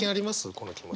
この気持ち。